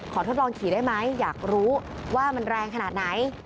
ทดลองขี่ได้ไหมอยากรู้ว่ามันแรงขนาดไหน